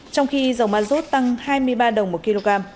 trong khi dầu ma rút tăng hai mươi ba đồng một kg